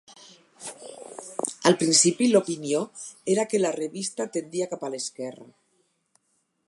Al principi, l'opinió era que la revista tendia cap a l'esquerra.